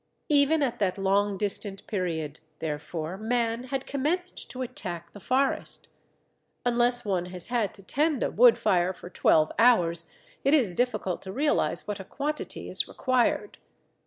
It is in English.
Even at that long distant period, therefore, man had commenced to attack the forest. Unless one has had to tend a wood fire for twelve hours, it is difficult to realize what a quantity is required.